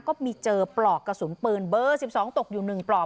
ก็มีเจอปลอกกระสุนปืนเบอร์สิบสองตกอยู่หนึ่งปลอม